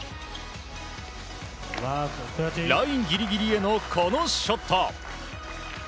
ラインギリギリへのこのショット。